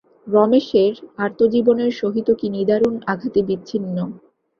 রমেশের আর্ত জীবনের সহিত কী নিদারুণ আঘাতে বিচ্ছিন্ন।